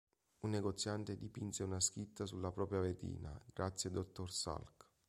Un negoziante dipinse una scritta sulla propria vetrina: "Grazie, Dr. Salk".